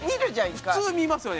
普通見ますよね。